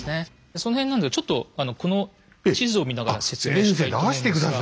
その辺ちょっとこの地図を見ながら説明したいと思いますが。